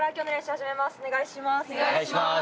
お願いします。